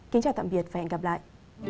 kính chào tạm biệt và hẹn gặp lại